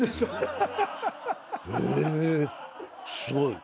えすごい。